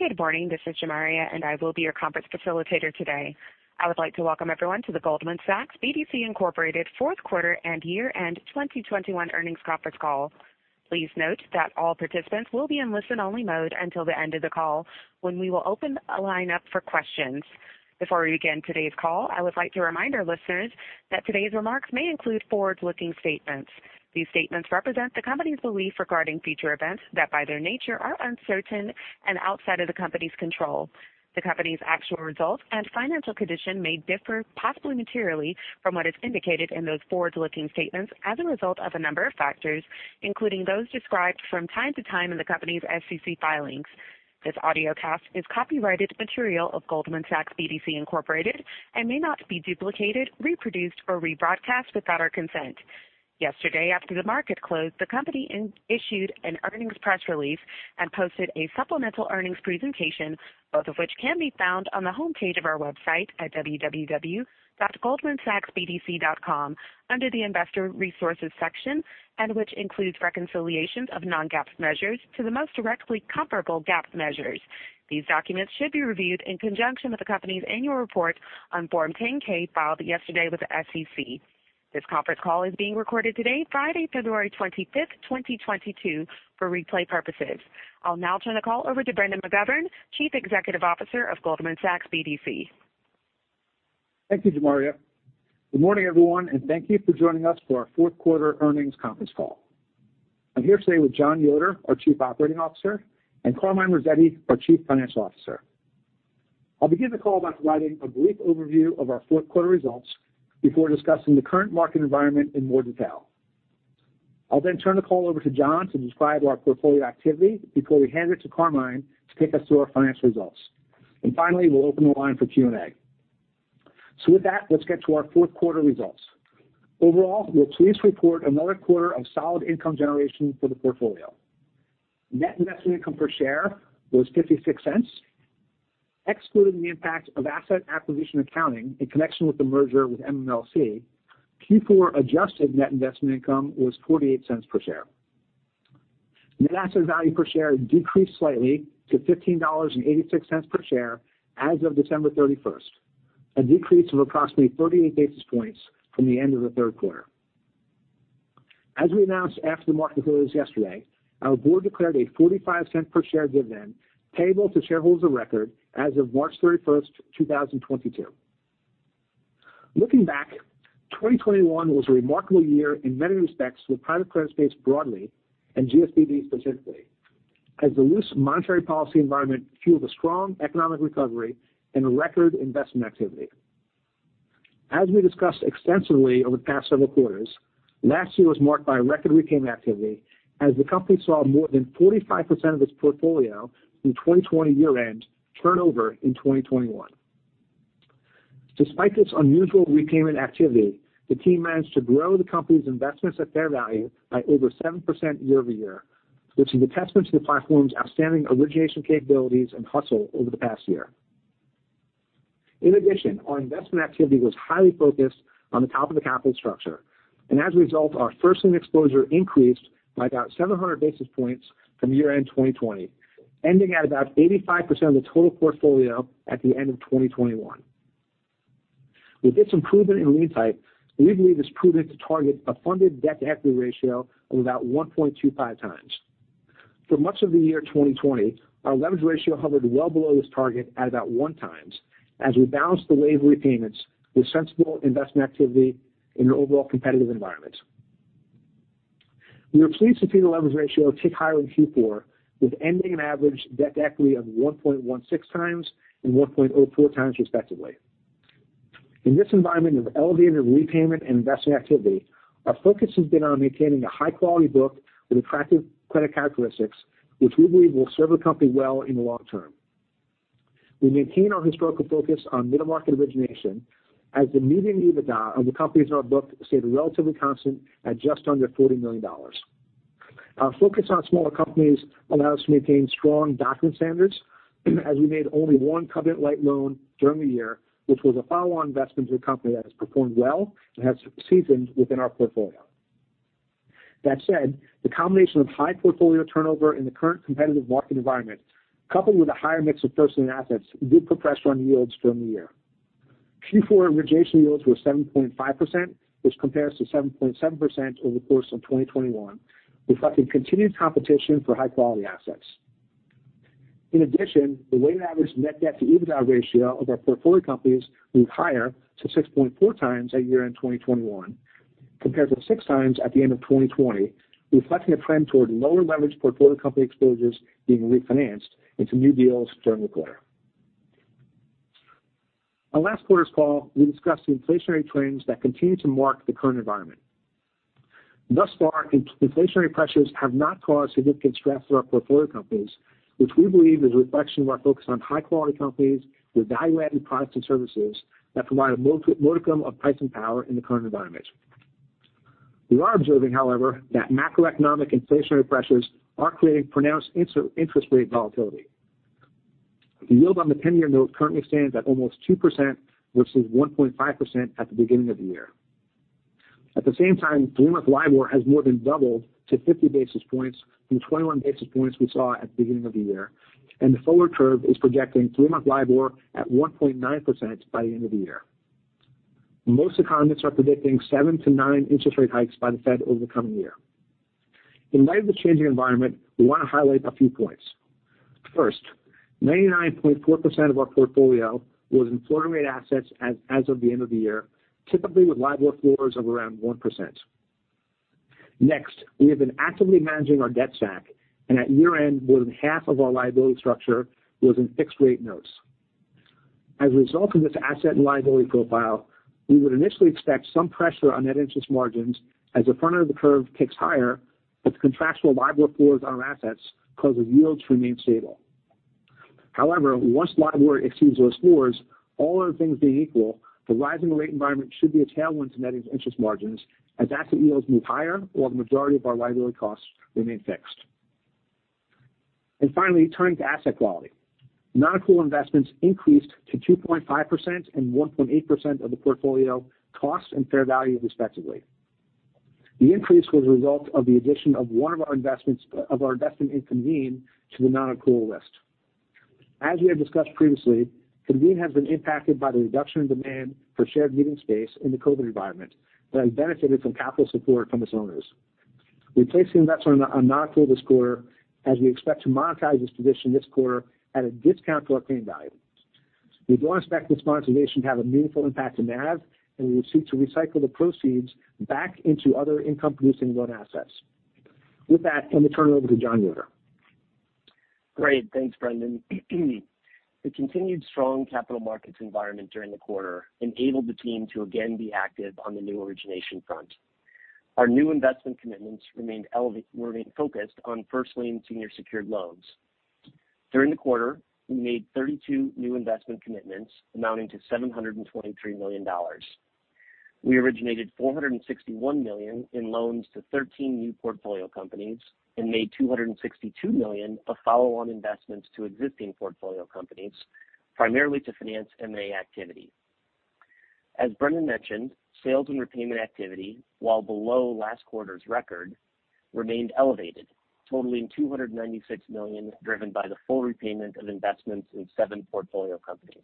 Good morning. This is Gemaria, and I will be your conference facilitator today. I would like to welcome everyone to the Goldman Sachs BDC Incorporated fourth quarter and year-end 2021 earnings conference call. Please note that all participants will be in listen-only mode until the end of the call, when we will open a line up for questions. Before we begin today's call, I would like to remind our listeners that today's remarks may include forward-looking statements. These statements represent the company's belief regarding future events that, by their nature, are uncertain and outside of the company's control. The company's actual results and financial condition may differ possibly materially from what is indicated in those forward-looking statements as a result of a number of factors, including those described from time to time in the company's SEC filings. This audiocast is copyrighted material of Goldman Sachs BDC, Inc. and may not be duplicated, reproduced, or rebroadcast without our consent. Yesterday, after the market closed, the company issued an earnings press release and posted a supplemental earnings presentation, both of which can be found on the homepage of our website at www.goldmansachsbdc.com under the Investor Resources section and which includes reconciliations of non-GAAP measures to the most directly comparable GAAP measures. These documents should be reviewed in conjunction with the company's annual report on Form 10-K filed yesterday with the SEC. This conference call is being recorded today, Friday, February 25, 2022, for replay purposes. I'll now turn the call over to Brendan McGovern, Chief Executive Officer of Goldman Sachs BDC. Thank you, Gemaria. Good morning, everyone, and thank you for joining us for our fourth quarter earnings conference call. I'm here today with Jon Yoder, our Chief Operating Officer, and Carmine Rossetti, our Chief Financial Officer. I'll begin the call by providing a brief overview of our fourth quarter results before discussing the current market environment in more detail. I'll then turn the call over to Jon to describe our portfolio activity before we hand it to Carmine to take us through our financial results. Finally, we'll open the line for Q&A. With that, let's get to our fourth quarter results. Overall, we're pleased to report another quarter of solid income generation for the portfolio. Net investment income per share was $0.56. Excluding the impact of asset acquisition accounting in connection with the merger with MMLC, Q4 adjusted net investment income was $0.48 per share. Net asset value per share decreased slightly to $15.86 per share as of December 31, a decrease of approximately 38 basis points from the end of the third quarter. As we announced after the market closed yesterday, our board declared a $0.45 per share dividend payable to shareholders of record as of March 31, 2022. Looking back, 2021 was a remarkable year in many respects for the private credit space broadly, and GSBD specifically, as the loose monetary policy environment fueled a strong economic recovery and a record investment activity. As we discussed extensively over the past several quarters, last year was marked by record repayment activity as the company saw more than 45% of its portfolio through 2020 year-end turnover in 2021. Despite this unusual repayment activity, the team managed to grow the company's investments at fair value by over 7% year-over-year, which is a testament to the platform's outstanding origination capabilities and hustle over the past year. In addition, our investment activity was highly focused on the top of the capital structure, and as a result, our first lien exposure increased by about 700 basis points from year-end 2020, ending at about 85% of the total portfolio at the end of 2021. With this improvement in lien type, we believe it's prudent to target a funded debt-to-equity ratio of about 1.25 times. For much of the year 2020, our leverage ratio hovered well below this target at about one times as we balanced the wave of repayments with sensible investment activity in an overall competitive environment. We are pleased to see the leverage ratio tick higher in Q4, with an ending and average debt-to-equity of 1.16 times and 1.04 times respectively. In this environment of elevated repayment and investment activity, our focus has been on maintaining a high-quality book with attractive credit characteristics, which we believe will serve the company well in the long term. We maintain our historical focus on middle-market origination as the median EBITDA of the companies in our book stayed relatively constant at just under $40 million. Our focus on smaller companies allowed us to maintain strong underwriting standards as we made only one covenant-lite loan during the year, which was a follow-on investment to a company that has performed well and has seasoned within our portfolio. That said, the combination of high portfolio turnover in the current competitive market environment, coupled with a higher mix of first lien assets, did put pressure on yields during the year. Q4 origination yields were 7.5%, which compares to 7.7% over the course of 2021, reflecting continued competition for high-quality assets. In addition, the weighted average net debt-to-EBITDA ratio of our portfolio companies moved higher to 6.4x at year-end 2021 compared to 6x at the end of 2020, reflecting a trend toward lower leverage portfolio company exposures being refinanced into new deals during the quarter. On last quarter's call, we discussed the inflationary trends that continue to mark the current environment. Thus far, inflationary pressures have not caused significant stress for our portfolio companies, which we believe is a reflection of our focus on high-quality companies with value-added products and services that provide a modicum of pricing power in the current environment. We are observing, however, that macroeconomic inflationary pressures are creating pronounced interest rate volatility. The yield on the 10-year note currently stands at almost 2%, versus 1.5% at the beginning of the year. At the same time, three-month LIBOR has more than doubled to 50 basis points from 21 basis points we saw at the beginning of the year, and the forward curve is projecting three-month LIBOR at 1.9% by the end of the year. Most economists are predicting seven to nine interest rate hikes by the Fed over the coming year. In light of the changing environment, we wanna highlight a few points. First, 99.4% of our portfolio was in floating rate assets as of the end of the year, typically with LIBOR floors of around 1%. Next, we have been actively managing our debt stack, and at year-end, more than half of our liability structure was in fixed rate notes. As a result of this asset and liability profile, we would initially expect some pressure on net interest margins as the front of the curve ticks higher, but the contractual LIBOR floors on our assets cause the yields to remain stable. However, once LIBOR exceeds those floors, all other things being equal, the rising rate environment should be a tailwind to net interest margins as asset yields move higher while the majority of our liability costs remain fixed. Finally, turning to asset quality. Non-accrual investments increased to 2.5% and 1.8% of the portfolio costs and fair value, respectively. The increase was a result of the addition of one of our investments in Convene to the non-accrual list. As we have discussed previously, Convene has been impacted by the reduction in demand for shared meeting space in the COVID environment but has benefited from capital support from its owners. We placed the investment on non-accrual this quarter as we expect to monetize this position this quarter at a discount to our carrying value. We don't expect this monetization to have a meaningful impact to NAV, and we will seek to recycle the proceeds back into other income-producing loan assets. With that, let me turn it over to Jon Yoder. Great. Thanks, Brendan. The continued strong capital markets environment during the quarter enabled the team to again be active on the new origination front. Our new investment commitments remain focused on first lien senior secured loans. During the quarter, we made 32 new investment commitments amounting to $723 million. We originated $461 million in loans to 13 new portfolio companies and made $262 million of follow-on investments to existing portfolio companies, primarily to finance M&A activity. As Brendan mentioned, sales and repayment activity, while below last quarter's record, remained elevated, totaling $296 million, driven by the full repayment of investments in 7 portfolio companies.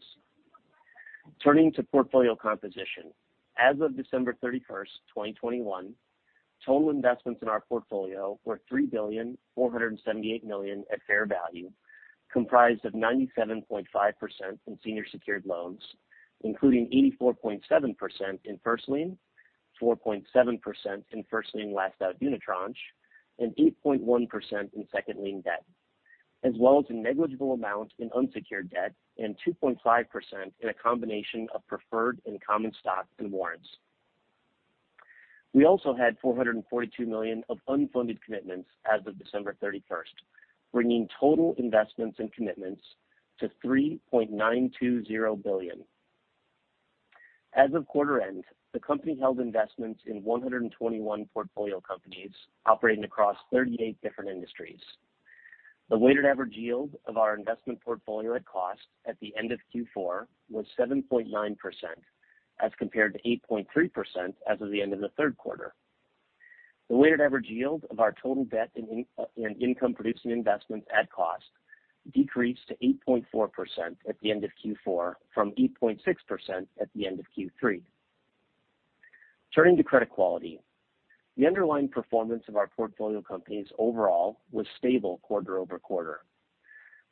Turning to portfolio composition. As of December 31, 2021, total investments in our portfolio were $3.478 billion at fair value, comprised of 97.5% in senior secured loans, including 84.7% in first lien, 4.7% in first lien last out unitranche, and 8.1% in second lien debt, as well as a negligible amount in unsecured debt, and 2.5% in a combination of preferred and common stock and warrants. We also had $442 million of unfunded commitments as of December 31, bringing total investments and commitments to $3.920 billion. As of quarter end, the company held investments in 121 portfolio companies operating across 38 different industries. The weighted average yield of our investment portfolio at cost at the end of Q4 was 7.9%, as compared to 8.3% as of the end of the third quarter. The weighted average yield of our total debt in income-producing investments at cost decreased to 8.4% at the end of Q4 from 8.6% at the end of Q3. Turning to credit quality. The underlying performance of our portfolio companies overall was stable quarter-over-quarter.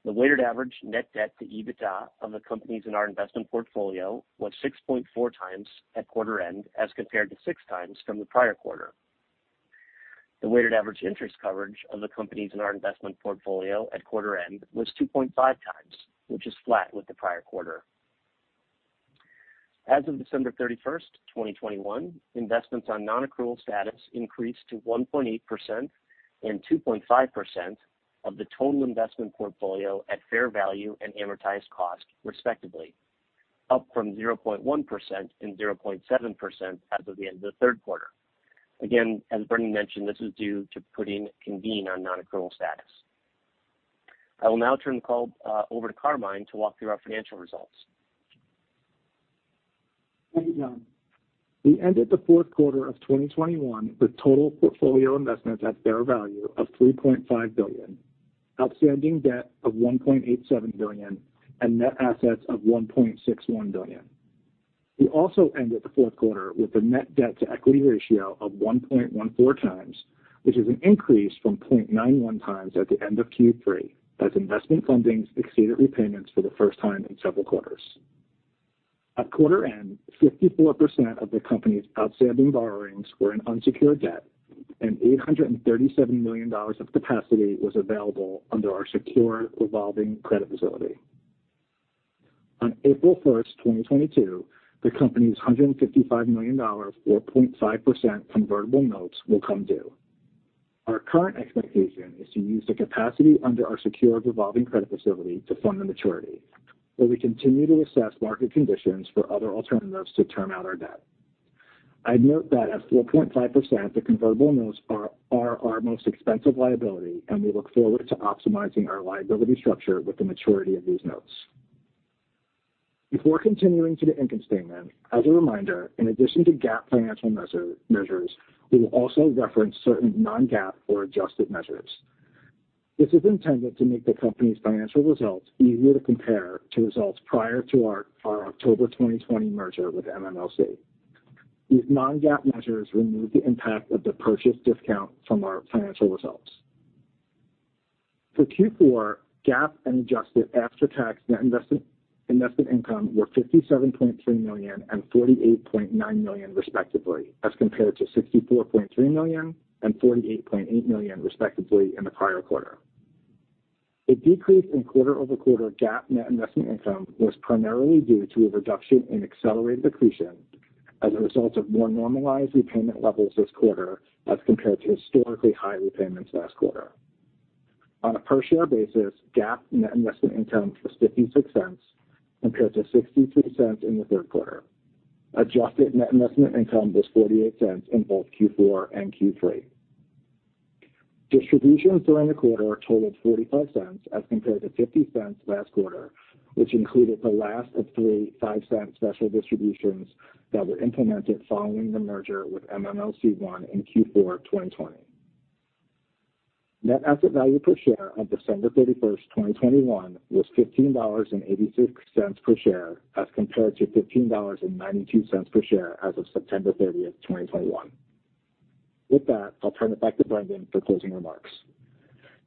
The weighted average net debt to EBITDA of the companies in our investment portfolio was 6.4 times at quarter-end, as compared to 6 times from the prior quarter. The weighted average interest coverage of the companies in our investment portfolio at quarter-end was 2.5 times, which is flat with the prior quarter. As of December 31, 2021, investments on non-accrual status increased to 1.8% and 2.5% of the total investment portfolio at fair value and amortized cost, respectively, up from 0.1% and 0.7% as of the end of the third quarter. Again, as Brendan mentioned, this is due to putting Convene on non-accrual status. I will now turn the call over to Carmine to walk through our financial results. Thank you, John. We ended the fourth quarter of 2021 with total portfolio investments at fair value of $3.5 billion, outstanding debt of $1.87 billion, and net assets of $1.61 billion. We also ended the fourth quarter with a net debt-to-equity ratio of 1.14 times, which is an increase from 0.91 times at the end of Q3, as investment fundings exceeded repayments for the first time in several quarters. At quarter end, 54% of the company's outstanding borrowings were in unsecured debt, and $837 million of capacity was available under our secured revolving credit facility. On April 1, 2022, the company's $155 million or 0.5% convertible notes will come due. Our current expectation is to use the capacity under our secure revolving credit facility to fund the maturity, but we continue to assess market conditions for other alternatives to term out our debt. I'd note that at 4.5%, the convertible notes are our most expensive liability, and we look forward to optimizing our liability structure with the maturity of these notes. Before continuing to the income statement, as a reminder, in addition to GAAP financial measures, we will also reference certain non-GAAP or adjusted measures. This is intended to make the company's financial results easier to compare to results prior to our October 2020 merger with MMLC. These non-GAAP measures remove the impact of the purchase discount from our financial results. For Q4, GAAP and adjusted after-tax net investment income were $57.3 million and $48.9 million respectively, as compared to $64.3 million and $48.8 million respectively in the prior quarter. A decrease in quarter-over-quarter GAAP net investment income was primarily due to a reduction in accelerated accretion as a result of more normalized repayment levels this quarter as compared to historically high repayments last quarter. On a per share basis, GAAP net investment income was $0.56 compared to $0.62 in the third quarter. Adjusted net investment income was $0.48 in both Q4 and Q3. Distributions during the quarter totaled $0.45 as compared to $0.50 last quarter, which included the last of three $0.05 special distributions that were implemented following the merger with MMLC in Q4 2020. Net asset value per share on December 31, 2021 was $15.86 per share as compared to $15.92 per share as of September 30, 2021. With that, I'll turn it back to Brendan for closing remarks.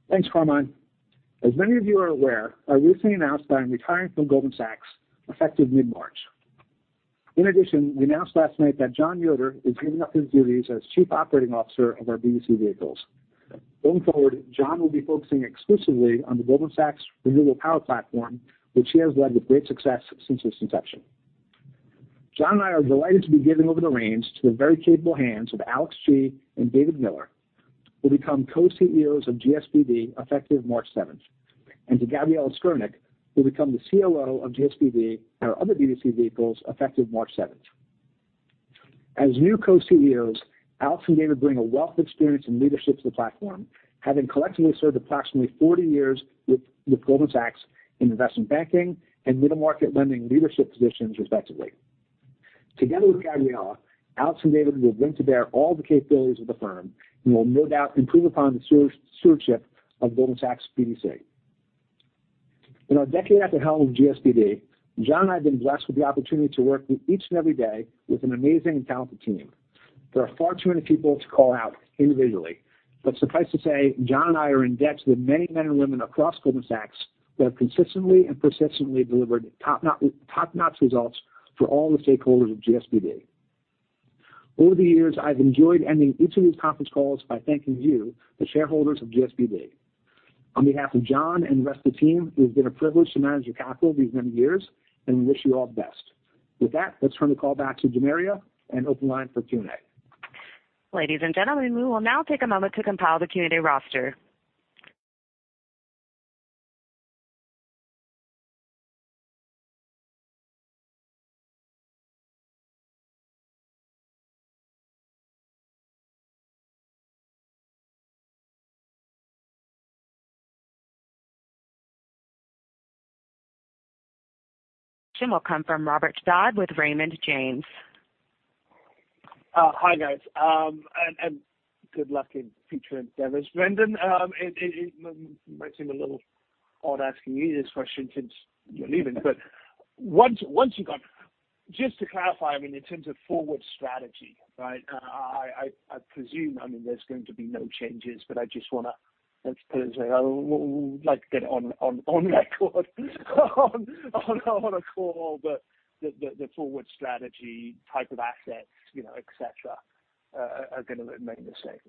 Thanks, Carmine. As many of you are aware, I recently announced that I'm retiring from Goldman Sachs effective mid-March. In addition, we announced last night that Jon Yoder is giving up his duties as Chief Operating Officer of our BDC vehicles. Going forward, Jon will be focusing exclusively on the Goldman Sachs renewable power platform, which he has led with great success since its inception. Jon and I are delighted to be giving over the reins to the very capable hands of Alex Chi and David Miller, who'll become co-CEOs of GSBD effective March seventh, and to Gabriela Skurnik, who'll become the COO of GSBD and our other BDC vehicles effective March seventh. As new co-CEOs, Alex and David bring a wealth of experience and leadership to the platform, having collectively served approximately 40 years with Goldman Sachs in investment banking and middle market lending leadership positions respectively. Together with Gabriela, Alex and David will bring to bear all the capabilities of the firm and will no doubt improve upon the stewardship of Goldman Sachs BDC. In our decade at the helm of GSBD, John and I have been blessed with the opportunity to work each and every day with an amazing and talented team. There are far too many people to call out individually, but suffice to say, John and I are in debt to the many men and women across Goldman Sachs that have consistently and persistently delivered top-notch results for all the stakeholders of GSBD. Over the years, I've enjoyed ending each of these conference calls by thanking you, the shareholders of GSBD. On behalf of John and the rest of the team, it has been a privilege to manage your capital these many years, and we wish you all the best. With that, let's turn the call back to Gemaria and open line for Q&A. Ladies and gentlemen, we will now take a moment to compile the Q&A roster. The first question will come from Robert Dodd with Raymond James. Hi, guys, good luck in future endeavors. Brendan, it might seem a little odd asking you this question since you're leaving, but once you're gone, just to clarify, I mean, in terms of forward strategy, right, I presume, I mean, there's going to be no changes, but I just wanna, let's put it this way, I would like to get it on record on a call, the forward strategy type of assets, you know, et cetera, are gonna remain the same.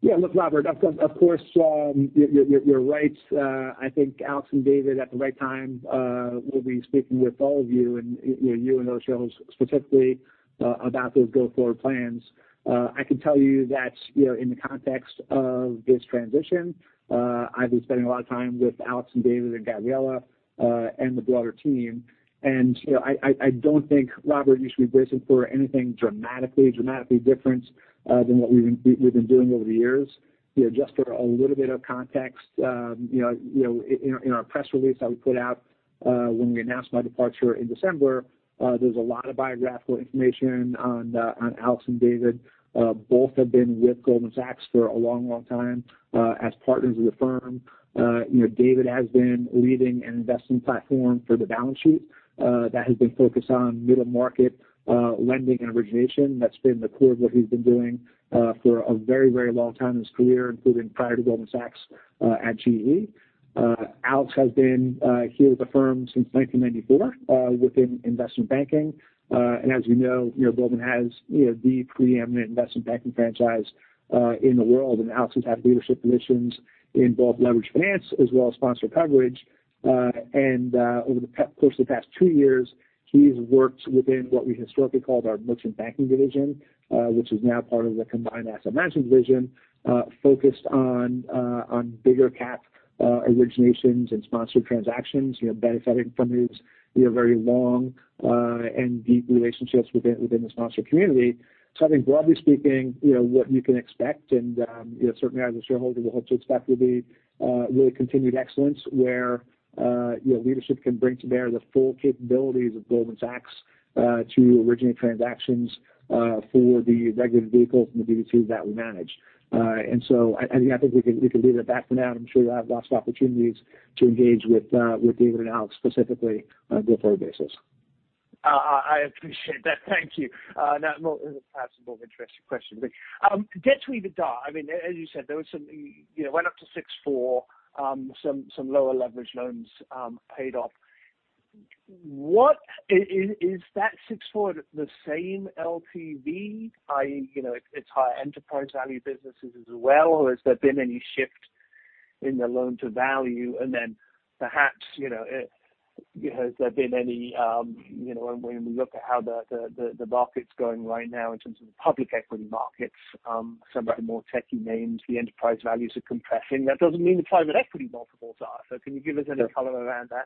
Yeah. Look, Robert, of course, you're right. I think Alex and David at the right time will be speaking with all of you and, you know, you and our shareholders specifically about those go-forward plans. I can tell you that, you know, in the context of this transition, I've been spending a lot of time with Alex and David and Gabriela and the broader team. You know, I don't think, Robert, you should be bracing for anything dramatically different than what we've been doing over the years. You know, just for a little bit of context, you know, in our press release that we put out when we announced my departure in December, there's a lot of biographical information on Alex and David. Both have been with Goldman Sachs for a long, long time, as partners of the firm. You know, David has been leading an investment platform for the balance sheet, that has been focused on middle market, lending and origination. That's been the core of what he's been doing, for a very, very long time in his career, including prior to Goldman Sachs, at GE. Alex has been, here with the firm since 1994, within investment banking. As we know, you know, Goldman has, you know, the preeminent investment banking franchise, in the world, and Alex has had leadership positions in both leveraged finance as well as sponsored coverage. Over the course of the past two years, he's worked within what we historically called our merchant banking division, which is now part of the combined asset management division, focused on bigger cap originations and sponsored transactions, you know, benefiting from his you know very long and deep relationships within the sponsor community. I think broadly speaking, you know, what you can expect and you know certainly as a shareholder will hope to expect will be really continued excellence where you know leadership can bring to bear the full capabilities of Goldman Sachs to originate transactions for the regulated vehicles and the BDCs that we manage. I think we can leave it at that for now. I'm sure you'll have lots of opportunities to engage with David and Alex specifically on a go-forward basis. I appreciate that. Thank you. Now, perhaps a more interesting question. Get to EBITDA. I mean, as you said, there was some, you know, went up to 6.4, some lower leverage loans paid off. Is that 6.4 the same LTV, i.e., you know, it's higher enterprise value businesses as well, or has there been any shift in the loan-to-value? Perhaps, you know, has there been any, you know, when we look at how the market's going right now in terms of the public equity markets, some of the more techy names, the enterprise values are compressing. That doesn't mean the private equity multiples are. Can you give us any color around that?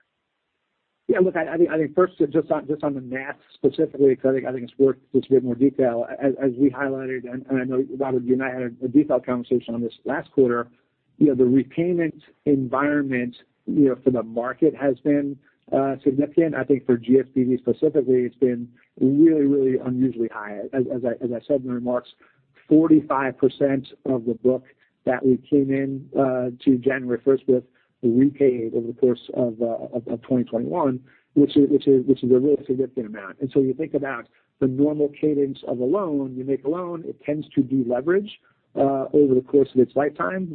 Yeah. Look, I think first, just on the math specifically, because I think it's worth just a bit more detail. As we highlighted, and I know, Robert, you and I had a detailed conversation on this last quarter, you know, the repayment environment, you know, for the market has been significant. I think for GSBD specifically, it's been really unusually high. As I said in the remarks, 45% of the book that we came in to January first with repaid over the course of 2021, which is a really significant amount. You think about the normal cadence of a loan. You make a loan, it tends to de-leverage over the course of its lifetime.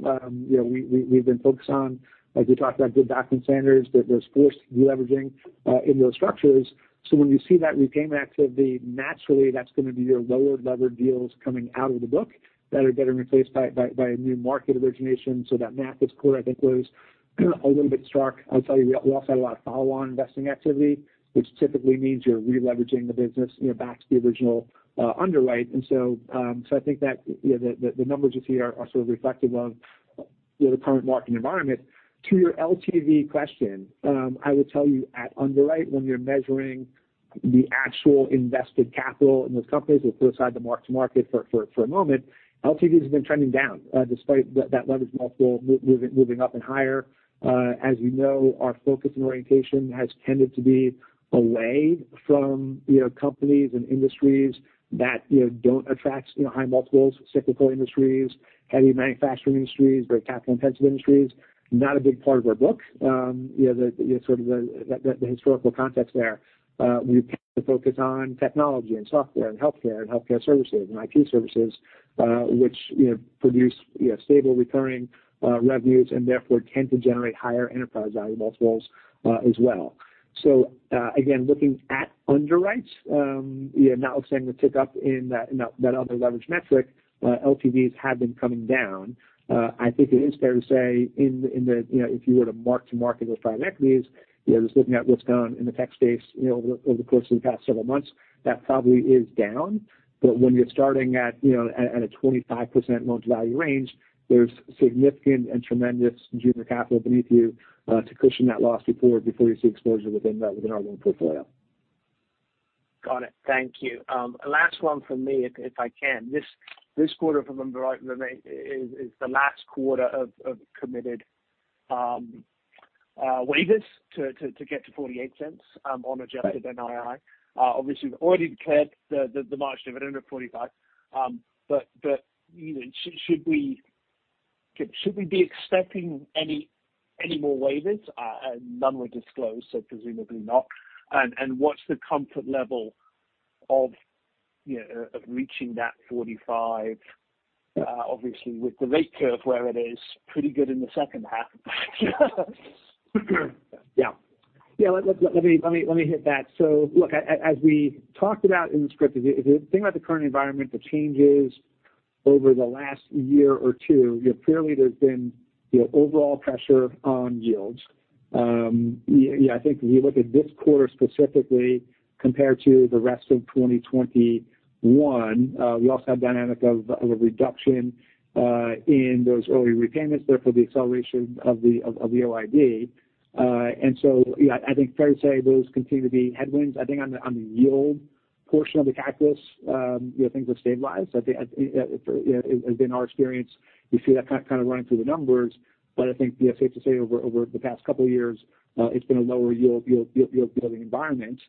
You know, we've been focused on, as we talked about good document standards, that there's forced de-leveraging in those structures. When you see that repayment activity, naturally that's gonna be your lower levered deals coming out of the book that are getting replaced by a new market origination. That math this quarter I think was a little bit stark. I'll tell you, we also had a lot of follow-on investing activity, which typically means you're re-leveraging the business, you know, back to the original underwrite. I think that, you know, the numbers you see are sort of reflective of, you know, the current market environment. To your LTV question, I will tell you at underwriting when you're measuring the actual invested capital in those companies, we'll put aside the mark-to-market for a moment. LTVs have been trending down despite that leverage multiple moving up and higher. As you know, our focus and orientation has tended to be away from, you know, companies and industries that, you know, don't attract, you know, high multiples, cyclical industries, heavy manufacturing industries, very capital-intensive industries, not a big part of our book. You know, the historical context there. We focus on technology and software and healthcare and healthcare services and IT services, which, you know, produce, you know, stable recurring revenues and therefore tend to generate higher enterprise value multiples, as well. Again, looking at underwrites, yeah, notwithstanding the tick up in that other leverage metric, LTVs have been coming down. I think it is fair to say in the. You know, if you were to mark to market those private equities, you know, just looking at what's gone in the tech space, you know, over the course of the past several months, that probably is down. But when you're starting at, you know, at a 25% loan-to-value range, there's significant and tremendous junior capital beneath you, to cushion that loss before you see exposure within our loan portfolio. Got it. Thank you. Last one from me if I can. This quarter, if I remember right, is the last quarter of committed waivers to get to $0.48 on adjusted NII. Obviously we've already declared the March dividend at $0.45. But you know, should we be expecting any more waivers? None were disclosed, so presumably not. What's the comfort level of you know of reaching that $0.45, obviously with the rate curve where it is pretty good in the second half? Yeah. Let me hit that. Look, as we talked about in the script, if you think about the current environment, the changes over the last year or two, you know, clearly there's been, you know, overall pressure on yields. Yeah, I think if you look at this quarter specifically compared to the rest of 2021, we also have dynamic of a reduction in those early repayments, therefore the acceleration of the OID. Yeah, I think it's fair to say those continue to be headwinds. I think on the yield portion of the cadence, you know, things have stabilized. I think it has been our experience. You see that kind of running through the numbers. I think it's safe to say over the past couple of years, it's been a lower yield building environment.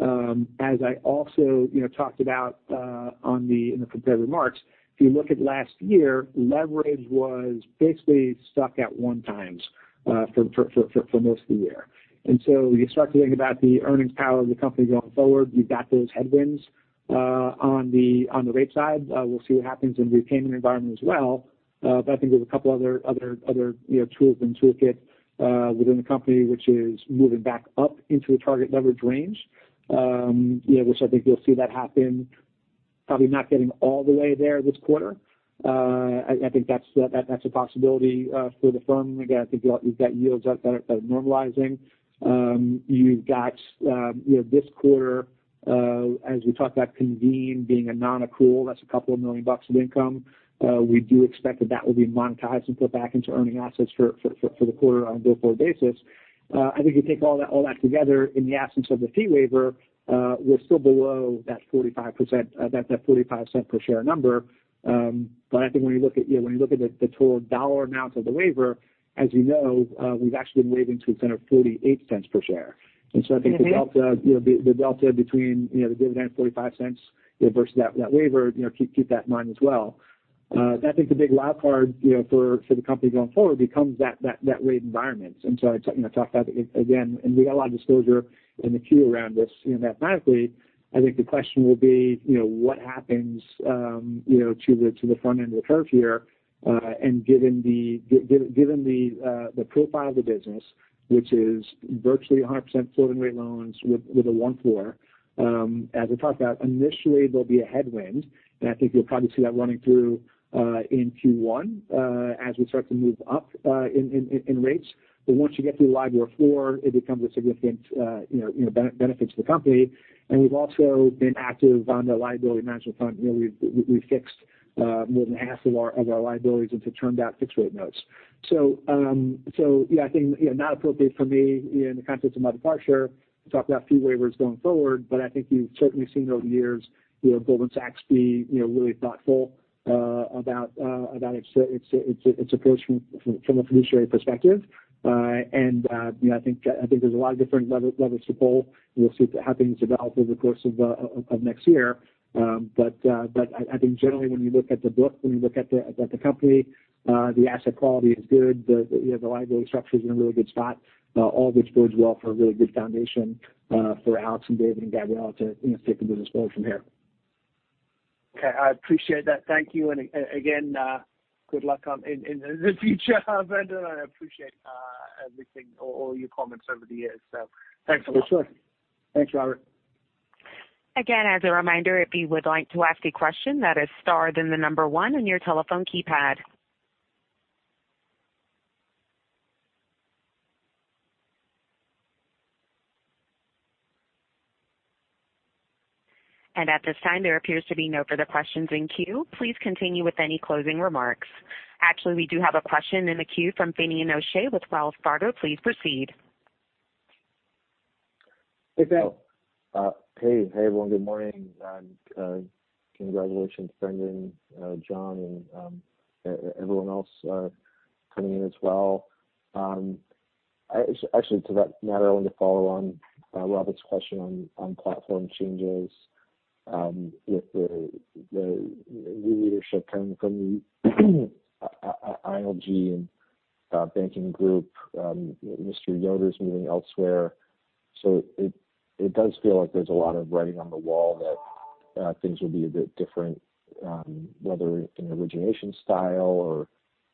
As I also you know talked about in the prepared remarks, if you look at last year, leverage was basically stuck at 1x for most of the year. You start to think about the earnings power of the company going forward. You've got those headwinds on the rate side. We'll see what happens in the repayment environment as well. I think there's a couple other you know tools in the toolkit within the company, which is moving back up into the target leverage range. Yeah, which I think you'll see that happen, probably not getting all the way there this quarter. I think that's a possibility for the firm. Again, I think you've got yields that are normalizing. You've got, you know, this quarter, as we talked about Convene being a non-accrual, that's $2 million of income. We do expect that will be monetized and put back into earning assets for the quarter on a go-forward basis. I think if you take all that together in the absence of the fee waiver, we're still below that 45%, that 45-cent per share number. But I think when you look at, you know, when you look at the total dollar amount of the waiver, as you know, we've actually been waiving to the tune of 48 cents per share. I think the delta, you know, the delta between, you know, the dividend of $0.45, you know, versus that waiver, you know, keep that in mind as well. I think the big wild card, you know, for the company going forward becomes that rate environment. I you know talked about it again, and we got a lot of disclosure in the Q around this. You know, mathematically, I think the question will be, you know, what happens, you know, to the front end of the curve here, and given the profile of the business, which is virtually 100% floating rate loans with a one to four. As we talked about initially, there'll be a headwind, and I think you'll probably see that running through in Q1 as we start to move up in rates. But once you get to the liability floor, it becomes a significant benefit to the company. We've also been active on the liability management front. You know, we've fixed more than half of our liabilities into turned back fixed rate notes. Yeah, I think not appropriate for me in the context of my departure to talk about fee waivers going forward, but I think you've certainly seen over the years, you know, Goldman Sachs be really thoughtful about its approach from a fiduciary perspective. You know, I think there's a lot of different levels to pull. We'll see how things develop over the course of next year. I think generally when you look at the book, when you look at the company, the asset quality is good. The liability structure's in a really good spot, all of which bodes well for a really good foundation for Alex and David and Gabriela to take the business forward from here. Okay. I appreciate that. Thank you. Again, good luck in the future, Brendan. I appreciate everything, all your comments over the years. Thanks a lot. For sure. Thanks, Robert. Again, as a reminder, if you would like to ask a question that is star, then 1 on your telephone keypad. At this time, there appears to be no further questions in queue. Please continue with any closing remarks. Actually, we do have a question in the queue from Finian O'Shea with Wells Fargo. Please proceed. Hey, Fin. Hey. Hey, everyone. Good morning, and congratulations, Brendan, Jon, and everyone else coming in as well. Actually, to that matter, I wanted to follow on Robert's question on platform changes with the new leadership coming from the IBD and banking group. Mr. Yoder's moving elsewhere. It does feel like there's a lot of writing on the wall that things will be a bit different whether in origination style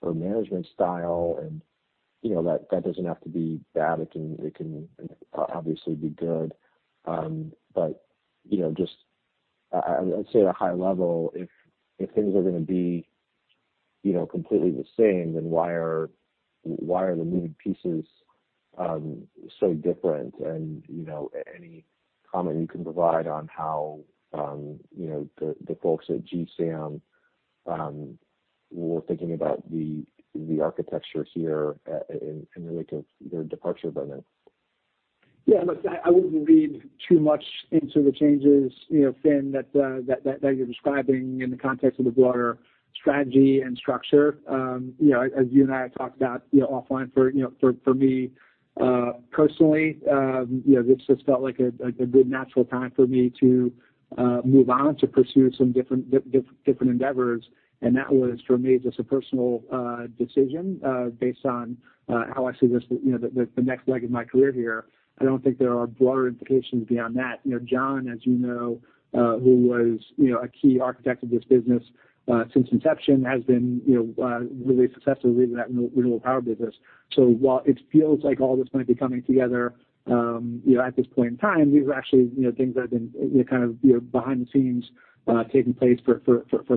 or management style. You know, that doesn't have to be bad. It can obviously be good. You know, just I'd say at a high level if things are gonna be completely the same, then why are the moving pieces so different? You know, any comment you can provide on how, you know, the folks at GSAM were thinking about the architecture here, in light of your departure, Brendan? Yeah. Look, I wouldn't read too much into the changes, you know, Fin, that you're describing in the context of the broader strategy and structure. You know, as you and I have talked about, you know, offline, for me personally, you know, this just felt like a good natural time for me to move on to pursue some different endeavors. That was for me just a personal decision based on how I see this, you know, the next leg of my career here. I don't think there are broader implications beyond that. You know, John, as you know, who was a key architect of this business since inception has been really successfully leading that renewable power business. While it feels like all this might be coming together, you know, at this point in time, these are actually, you know, things that have been kind of, you know, behind the scenes, taking place for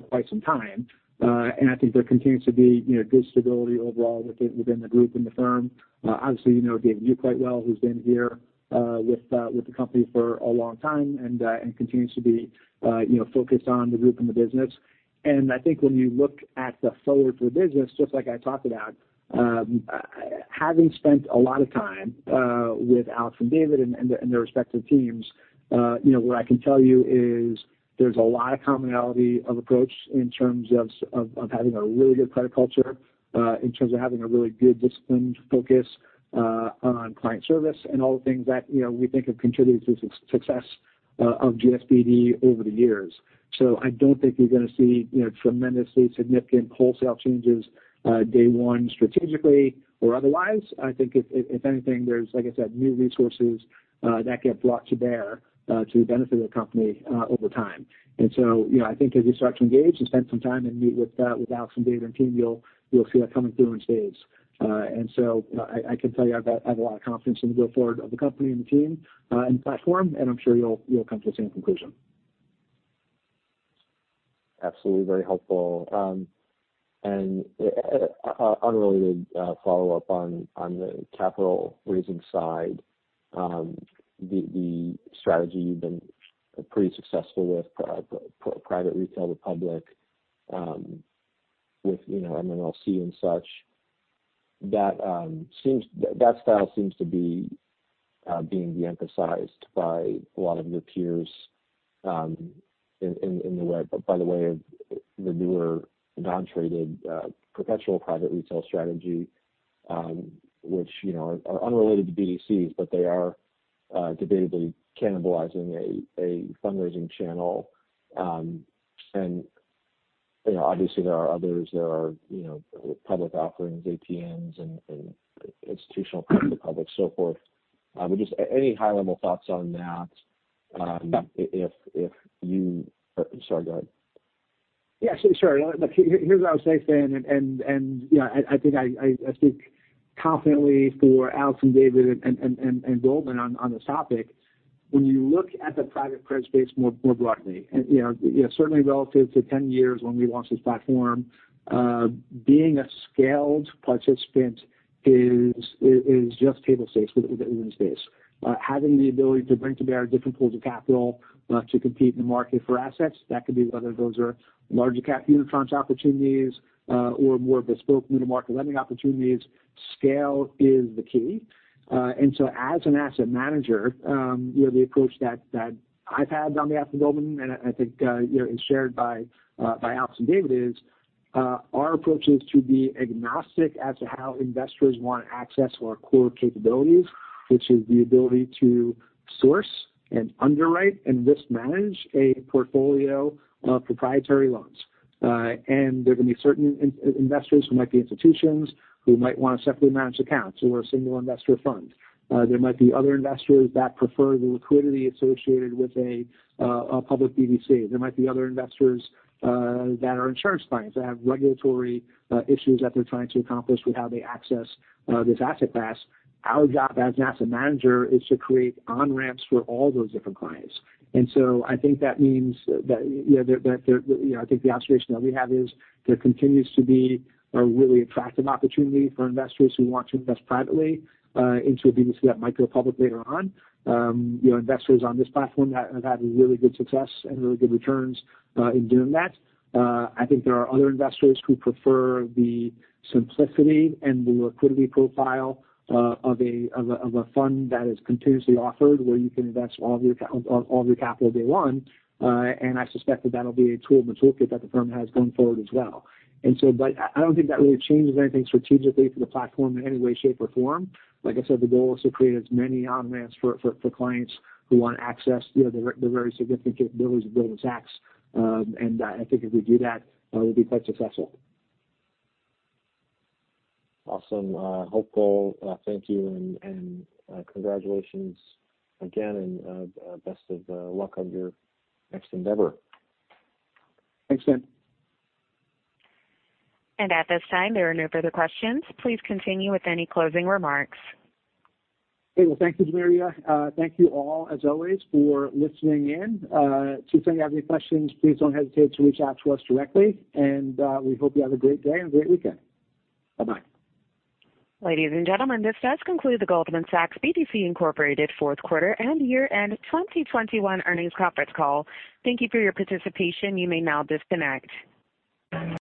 quite some time. I think there continues to be, you know, good stability overall within the group and the firm. Obviously, you know David Yu quite well, who's been here with the company for a long time and continues to be, you know, focused on the group and the business. I think when you look at the forward for the business, just like I talked about, having spent a lot of time, with Alex and David and their respective teams, you know, what I can tell you is there's a lot of commonality of approach in terms of having a really good credit culture, in terms of having a really good disciplined focus, on client service and all the things that, you know, we think have contributed to the success, of GSBD over the years. I don't think you're gonna see, you know, tremendously significant wholesale changes, day one strategically or otherwise. I think if anything, there's, like I said, new resources, that get brought to bear, to benefit the company, over time. You know, I think as you start to engage and spend some time and meet with Alex and David and team, you'll see that coming through in spades. I can tell you I have a lot of confidence in the go forward of the company and the team, and the platform, and I'm sure you'll come to the same conclusion. Absolutely. Very helpful. Unrelated follow-up on the capital raising side, the strategy you've been pretty successful with, private retail to public, with you know MMLC and such, that style seems to be being de-emphasized by a lot of your peers, in the way of the newer non-traded perpetual private retail strategy, which you know are unrelated to BDCs, but they are debatably cannibalizing a fundraising channel. You know, obviously there are others. There are you know public offerings, ATMs and institutional private to public, so forth. But just any high-level thoughts on that, if you... Sorry, go ahead. Yeah, sure. Look, here's what I would say, Stan. You know, I think I speak confidently for Alex and David and Goldman on this topic. When you look at the private credit space more broadly, you know, certainly relative to 10 years when we launched this platform, being a scaled participant is just table stakes in this space. Having the ability to bring to bear different pools of capital to compete in the market for assets, that could be whether those are larger cap unitranche opportunities or more bespoke middle market lending opportunities, scale is the key. As an asset manager, you know, the approach that I've had on behalf of Goldman, and I think, you know, is shared by Alex and David, our approach is to be agnostic as to how investors wanna access our core capabilities, which is the ability to source and underwrite and just manage a portfolio of proprietary loans. There are gonna be certain investors who might be institutions who might want separately managed accounts or a single investor fund. There might be other investors that prefer the liquidity associated with a public BDC. There might be other investors that are insurance clients that have regulatory issues that they're trying to accomplish with how they access this asset class. Our job as an asset manager is to create on-ramps for all those different clients. I think that means that, you know, I think the observation that we have is there continues to be a really attractive opportunity for investors who want to invest privately into a BDC that might go public later on. You know, investors on this platform have had really good success and really good returns in doing that. I think there are other investors who prefer the simplicity and the liquidity profile of a fund that is continuously offered, where you can invest all of your capital day one. I suspect that that'll be a tool in the toolkit that the firm has going forward as well. I don't think that really changes anything strategically for the platform in any way, shape, or form. Like I said, the goal is to create as many on-ramps for clients who want access, you know, the very significant capabilities of Goldman Sachs. I think if we do that, we'll be quite successful. Awesome. Hopeful. Thank you and congratulations again and best of luck on your next endeavor. Thanks, Stan. At this time, there are no further questions. Please continue with any closing remarks. Okay. Well, thank you, Maria. Thank you all as always for listening in. If you have any questions, please don't hesitate to reach out to us directly. We hope you have a great day and a great weekend. Bye-bye. Ladies and gentlemen, this does conclude the Goldman Sachs BDC, Inc. fourth quarter and year-end 2021 earnings conference call. Thank you for your participation. You may now disconnect.